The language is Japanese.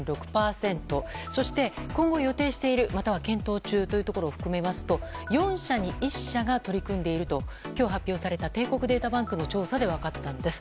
そして今後予定している、または検討中というところを含めますと４社に１社が取り組んでいると今日発表された帝国データバンクの調査で分かったんです。